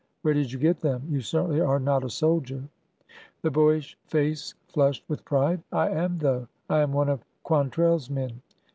Where did you get them? You certainly are not a soldier." The boyish face flushed with pride. I am, though 1 I am one of Quantrell's men."